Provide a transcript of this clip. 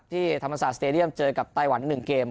ธรรมศาสตร์สเตดียมเจอกับไต้หวัน๑เกม